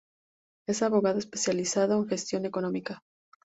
Es abogado especializado en gestión económica.